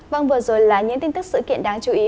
vâng vừa rồi là những tin tức sự kiện đáng chú ý